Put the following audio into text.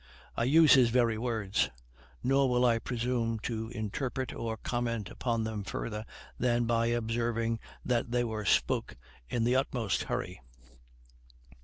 I use his very words; nor will I presume to interpret or comment upon them farther than by observing that they were spoke in the utmost hurry.